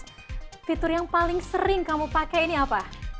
fitur yang paling sering kamu pakai ini apa